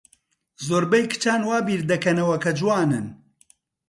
زۆربەی کچان وا بیردەکەنەوە کە جوانن.